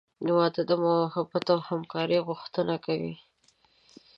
• واده د محبت او همکارۍ غوښتنه کوي.